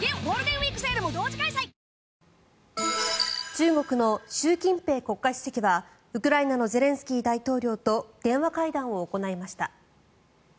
中国の習近平国家主席はウクライナのゼレンスキー大統領と電話会談を行いました。